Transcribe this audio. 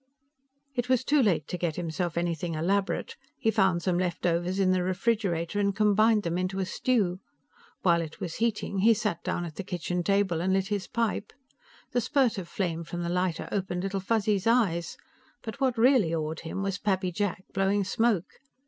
It was too late to get himself anything elaborate; he found some leftovers in the refrigerator and combined them into a stew. While it was heating, he sat down at the kitchen table and lit his pipe. The spurt of flame from the lighter opened Little Fuzzy's eyes, but what really awed him was Pappy Jack blowing smoke.